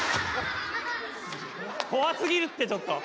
怖すぎるってちょっと。